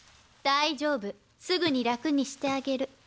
大丈夫すぐに楽にしてあげる。